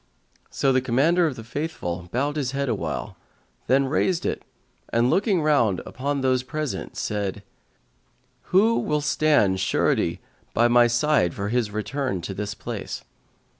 So the Commander of the Faithful bowed his head awhile, then raised it and looking round upon those present, said, "Who will stand surety by me for his return to this place?"